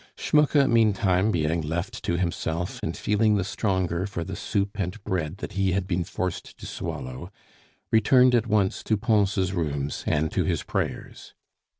Schmucke meantime being left to himself, and feeling the stronger for the soup and bread that he had been forced to swallow, returned at once to Pons' rooms, and to his prayers.